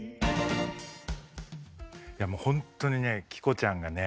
もうほんとにね希子ちゃんがね